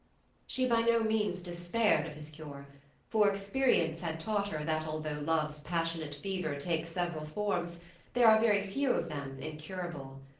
She by no means despaired of his cure, for experience had taught her that although love's passionate fever takes several forms there are very few of them incurable.